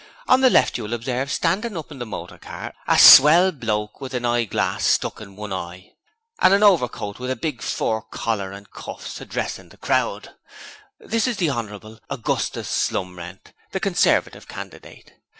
On the left you will observe, standin' up in a motor car, a swell bloke with a eyeglass stuck in one eye, and a overcoat with a big fur collar and cuffs, addressing the crowd: this is the Honourable Augustus Slumrent, the Conservative candidate.